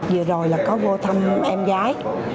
vừa rồi là có vô thăm em gái